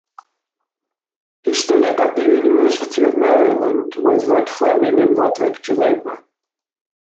He studied at the University of Maryland with Rudd Fleming and Roderick Jellema.